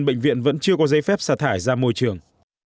bệnh viện vẫn chưa có giấy phép xả thải ra môi trường